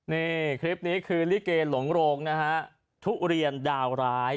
นี่คลิปนี้คือลิเกหลงโรงนะฮะทุเรียนดาวร้าย